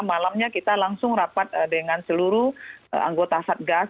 malamnya kita langsung rapat dengan seluruh anggota satgas